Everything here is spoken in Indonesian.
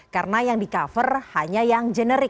karena yang di cover hanya yang generik